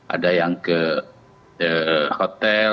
ada yang ke hotel